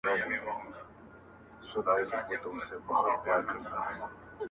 جوړ څوکۍ ته دې د حسن ځواني راغله